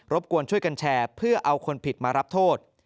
บกวนช่วยกันแชร์เพื่อเอาคนผิดมารับโทษ